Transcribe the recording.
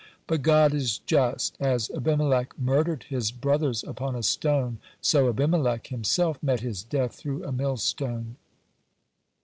But God is just. As Abimelech murdered his brothers upon a stone, so Abimelech himself met his death through a millstone.